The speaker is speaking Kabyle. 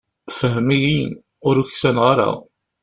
Fhem-iyi, ur uksaneɣ ara.